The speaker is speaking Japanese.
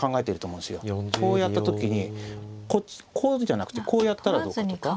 こうやった時にこうじゃなくてこうやったらどうかとか。